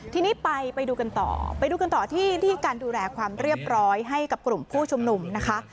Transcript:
ทีนี้ไปไปดูกันต่อไปดูกันต่อที่ที่การดูแลความเรียบร้อยให้กับกลุ่มผู้ชุมนุมนะคะ